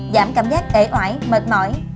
giảm cảm giác ẻ oải mệt mỏi